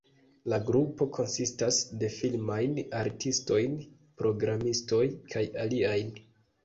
La grupo konsistas de filmajn artistojn, programistoj, kaj aliajn.